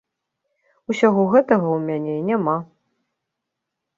Усяго гэтага ў мяне няма.